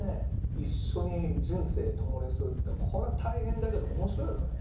一緒に人生共にするって大変だけど面白いよ。